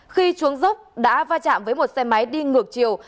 khi chuống dốc đá va chạm với một xe máy đi ngược chiều